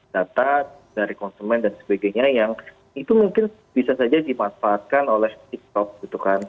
data dari konsumen dan sebagainya yang itu mungkin bisa saja dimanfaatkan oleh tiktok gitu kan